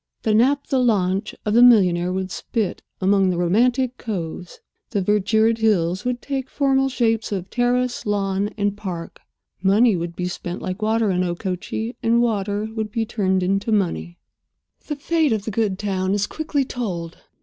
The naphtha launch of the millionaire would spit among the romantic coves; the verdured hills would take formal shapes of terrace, lawn, and park. Money would be spent like water in Okochee, and water would be turned into money. The fate of the good town is quickly told.